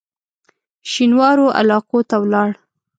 شینوارو علاقو ته ولاړ.